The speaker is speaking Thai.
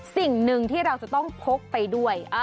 สิ่งหนึ่งที่เราจะต้องพกไปด้วย